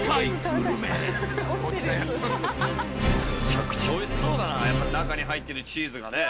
めちゃくちゃおいしそうだなやっぱ中に入ってるチーズがね。